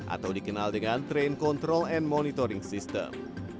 atau dikenal dengan train control and monitoring system